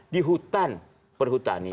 di hutan perhutani